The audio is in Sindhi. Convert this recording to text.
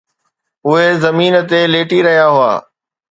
اهي زمين تي ليٽي رهيا هئا.